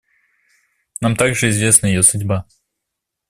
Нам также известна ее судьба.